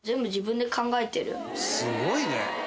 「すごいね」